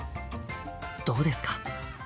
どうですか？